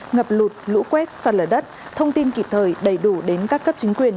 ngập lụt lũ quét sạt lở đất thông tin kịp thời đầy đủ đến các cấp chính quyền